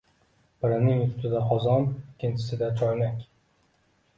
Birining ustida qozon, ikkinchisida choynak